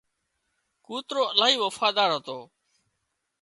ڪوترو الاهي وفادار هتو